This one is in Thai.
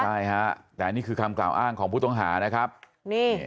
ใช่ฮะแต่นี่คือคำกล่าวอ้างของผู้ต้องหานะครับนี่